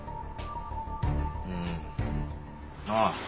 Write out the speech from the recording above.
うんああ。